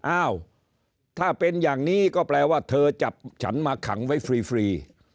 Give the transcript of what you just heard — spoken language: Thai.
อ้าวถ้าเป็นอย่างนี้ก็แปลว่าเธอจับฉันมาขังไว้ฟรี